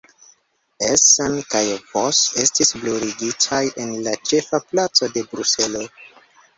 Essen kaj Vos estis bruligitaj en la ĉefa placo de Bruselo.